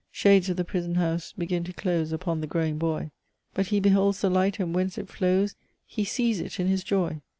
Shades of the prison house begin to close Upon the growing Boy; But He beholds the light, and whence it flows, He sees it in his joy!